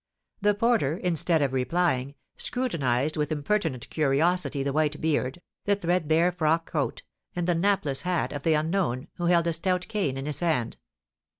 The porter, instead of replying, scrutinised with impertinent curiosity the white beard, the threadbare frock coat, and the napless hat of the unknown, who held a stout cane in his hand.